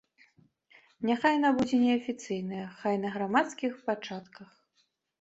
Няхай яна будзе неафіцыйная, хай на грамадскіх пачатках.